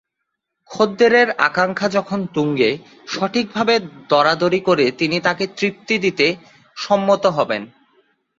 খদ্দেরের আকাঙ্ক্ষা যখন তুঙ্গে, সঠিকভাবে দরাদরি করে তিনি তাঁকে তৃপ্তি দিতে সম্মত হবেন।